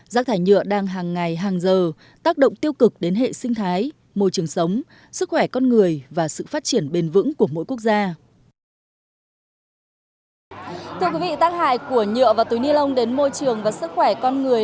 rác thải nhựa đang hàng ngày hàng giờ tác động tiêu cực đến hệ sinh thái môi trường sống sức khỏe con người và sự phát triển bền vững